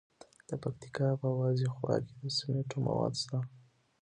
د پکتیکا په وازیخوا کې د سمنټو مواد شته.